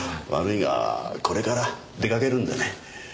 悪いがこれから出掛けるんでね。